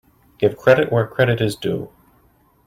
Give credit where credit is due.